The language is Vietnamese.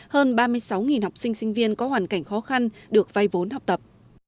hơn ba mươi sáu học sinh sinh viên có hoàn cảnh khó khăn được vay vốn học tập